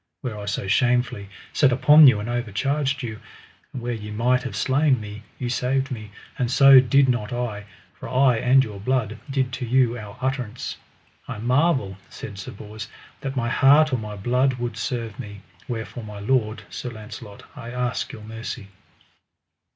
Where I so shamefully set upon you and overcharged you, and where ye might have slain me, ye saved me; and so did not I, for I and your blood did to you our utterance. I marvel, said Sir Bors, that my heart or my blood would serve me, wherefore my lord, Sir Launcelot, I ask your mercy.